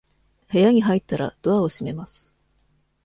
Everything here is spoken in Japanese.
部屋に入ったら、ドアを閉めます。